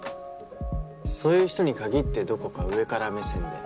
そういう人に限ってどこか上から目線で。